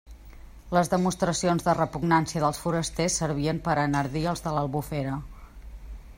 Les demostracions de repugnància dels forasters servien per a enardir els de l'Albufera.